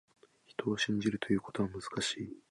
人を信じるということは、難しい。